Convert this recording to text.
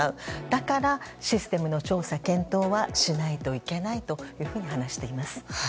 だからシステムの調査・検討はしないといけないと話しています。